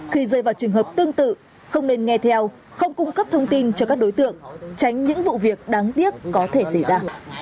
khi rơi vào trường hợp tương tự không nên nghe theo không cung cấp thông tin cho các đối tượng tránh những vụ việc đáng tiếc có thể xảy ra